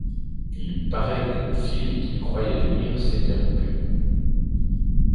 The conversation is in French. Il paraît que le fil qu’il croyait tenir s’était rompu.